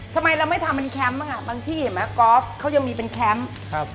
ทำไมเราไม่ทำเป็นแคมป์บ้างอ่ะบางที่เห็นไหมกอล์ฟเขายังมีเป็นแคมป์ครับ